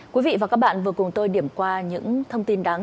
quý vị và các bạn vừa cùng tôi điểm qua những thông tin đáng